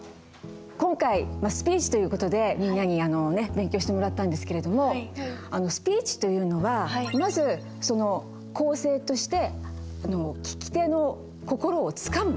今回スピーチという事でみんなに勉強してもらったんですけれどもスピーチというのはまず構成として聞き手の心をつかむ。